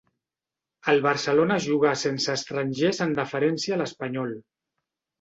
El Barcelona jugà sense estrangers en deferència a l'Espanyol.